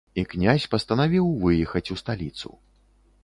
І князь пастанавіў выехаць у сталіцу.